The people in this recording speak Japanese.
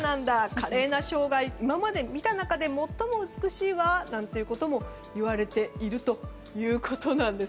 華麗な障害、今まで見た中で最も美しいわなんていわれているということです。